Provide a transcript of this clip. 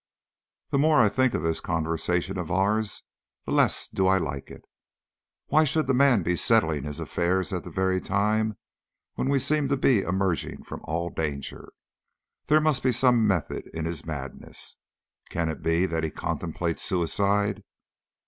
The more I think of this conversation of ours the less do I like it. Why should the man be settling his affairs at the very time when we seem to be emerging from all danger? There must be some method in his madness. Can it be that he contemplates suicide?